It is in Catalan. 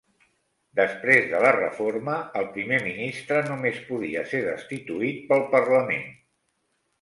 Després de la reforma, el primer ministre només podia ser destituït pel parlament.